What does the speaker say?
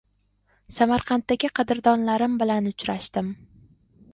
Samarqanddagi qadrdonlarim bilan uchrashdim.